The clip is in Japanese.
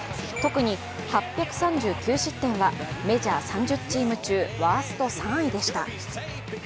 特に８３９失点はメジャー３０チーム中ワースト３位でした。